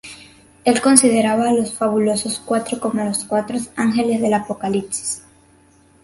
Él considerada a los Fabulosos Cuatro como los cuatro ángeles del Apocalipsis.